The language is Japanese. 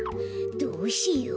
どうしよう？